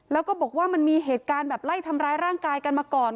แล้วก็บอกว่ามันมีเหตุการณ์แบบไล่ทำร้ายร่างกายกันมาก่อน